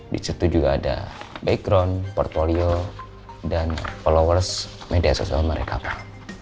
di situ juga ada background portfolio dan followers media sosial mereka pak